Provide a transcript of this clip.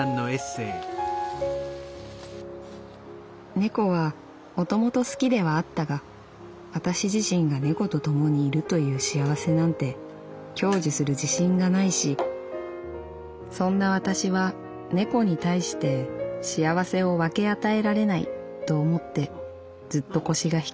「猫は元々好きではあったが私自身が猫とともにいるという幸せなんて享受する自信がないしそんな私は猫に対して幸せを分け与えられないと思ってずっと腰が引けていた」。